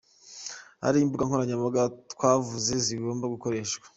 Hari imbuga nkoranyambaga twavuze zigomba gukoreshwa.